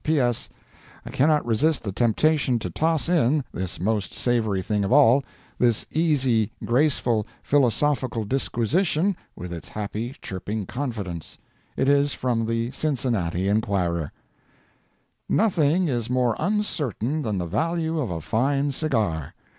P. S.—I cannot resist the temptation to toss in this most savory thing of all—this easy, graceful, philosophical disquisition, with its happy, chirping confidence. It is from the Cincinnati Enquirer: Nothing is more uncertain than the value of a fine cigar.